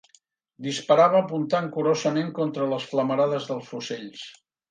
Disparava apuntant curosament contra les flamarades dels fusells